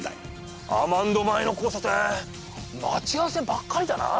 アマンド前の交差点待ち合わせばっかりだな。